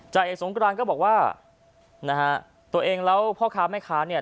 เอกสงกรานก็บอกว่านะฮะตัวเองแล้วพ่อค้าแม่ค้าเนี่ย